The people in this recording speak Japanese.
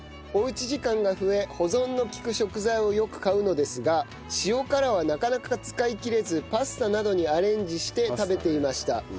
お家時間が増え保存の利く食材をよく買うのですが塩辛はなかなか使い切れずパスタなどにアレンジして食べていました。